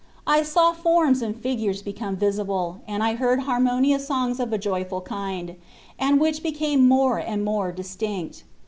I saw forms and figures become visible, and I heard har monious songs of a joyful kind, and which became more and more distinct.